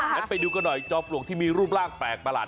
งั้นไปดูกันหน่อยจอมปลวกที่มีรูปร่างแปลกประหลาด